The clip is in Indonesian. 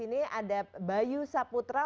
di sini ada bayu saputra